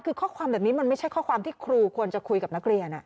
คือข้อความแบบนี้มันไม่ใช่ข้อความที่ครูควรจะคุยกับนักเรียน